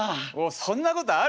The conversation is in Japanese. そんなことある？